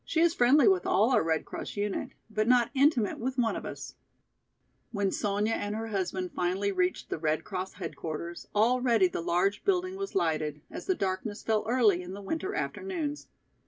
She is friendly with all our Red Cross unit, but not intimate with one of us." When Sonya and her husband finally reached the Red Cross headquarters, already the large building was lighted, as the darkness fell early in the winter afternoons.